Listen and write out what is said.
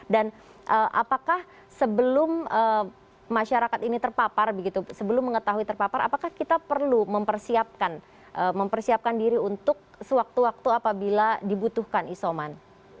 dan apakah sebelum masyarakat ini terpapar apakah kita perlu mempersiapkan diri untuk sewaktu waktu apabila dibutuhkan isoman